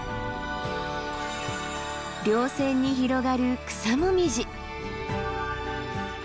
稜線に広がる草紅葉。